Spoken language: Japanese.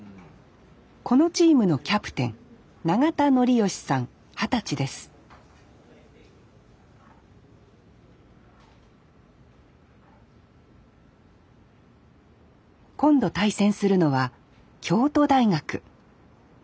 このチームのキャプテン今度対戦するのは京都大学。